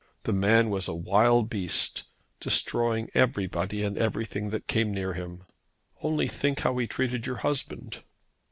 The man was a wild beast, destroying everybody and everything that came near him. Only think how he treated your husband."